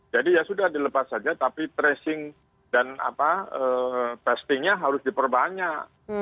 jadi ya sudah dilepas saja tapi tracing dan testingnya harus diperbanyak